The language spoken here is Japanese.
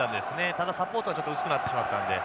ただサポートがちょっと薄くなってしまったので。